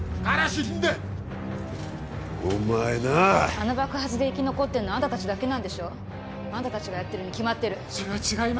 あの爆発で生き残ってんのはあんた達だけなんでしょあんた達がやってるに決まってるそれは違います